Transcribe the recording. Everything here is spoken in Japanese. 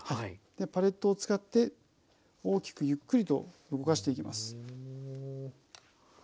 パレットを使って大きくゆっくりと動かしていきます。